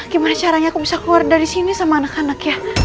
gimana caranya aku bisa keluar dari sini sama anak anak ya